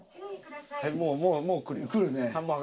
もうもう来るよ。